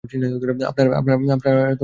আপনার নামটা তো জানা হল না।